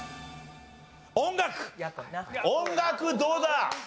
音楽どうだ？